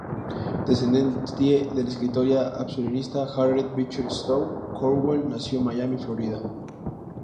Descendiente de la escritora abolicionista Harriet Beecher Stowe, Cornwell nació en Miami, Florida.